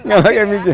gak pake mikir